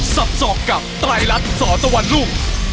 สับสอบกับไตรรัสสตวรรณรุ่ง